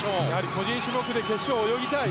個人種目で決勝を泳ぎたい。